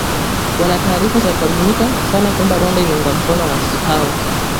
wana taarifa za kuaminika sana kwamba Rwanda inaunga mkono waasi hao